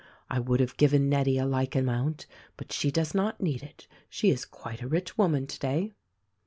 I would have given Nettie a like amount, but she does not need it. She is quite a rich woman today."